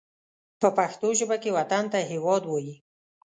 په پښتو ژبه کې وطن ته هېواد وايي